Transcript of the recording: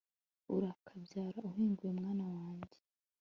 urakabyara uhinguye mwana wanjye